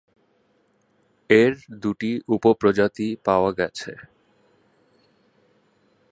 এর দুটি উপ প্রজাতি পাওয়া গেছে।